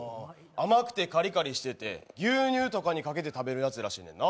甘くてカリカリしてて牛乳とかにかけて食べるやつらしいねんな。